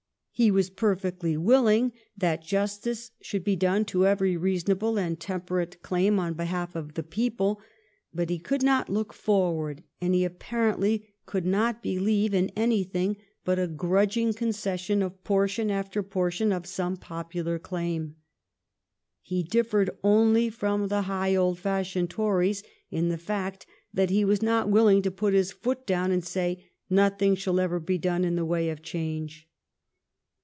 He was perfectly willing that justice should be done to every reasonable and temperate claim on behalf of the people, but he could not look forward, and he apparently could not believe in anything but a grudging concession of portion after portion of some popular claim. He differed only from the high old fashioned Tories in the fact that he was not willing to put his foot down and say, Nothing shall ever be done in the way of change.